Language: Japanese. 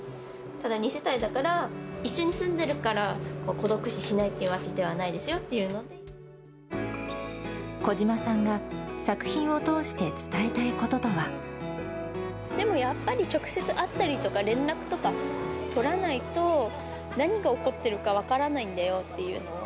ただ、二世帯だから、一緒に住んでるから孤独死しないっていうわけでは小島さんが作品を通して伝えでも、やっぱり直接会ったりとか、連絡とか取らないと、何が起こってるか分からないんだよっていうのを。